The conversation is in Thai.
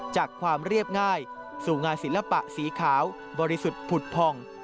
จากความเรียบง่ายสู่งานศิลปะสีขาวบริสุทธิ์ผุดผ่อง